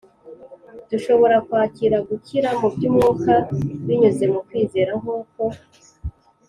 Dushobora kwakira gukira mu by’umwuka binyuze mu kwizera nk’uko.